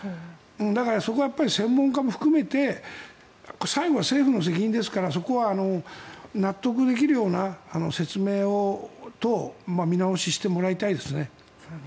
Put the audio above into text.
だから、そこは専門家も含めて最後は政府の責任ですからそこは納得できるような説明と見直しをしてもらいたいですね。